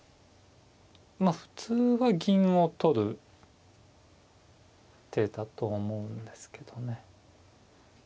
まあ普通は銀を取る手だと思うんですけどね。